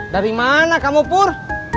dari mana kamu pur